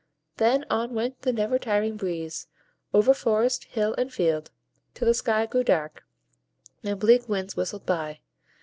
Then on went the never tiring Breeze, over forest, hill, and field, till the sky grew dark, and bleak winds whistled by.